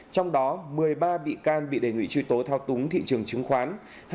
trong đó một mươi ba bị can bị đề nghị truy tố thao túng thị trường chứng khoán